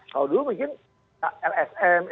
kalau dulu mungkin rsm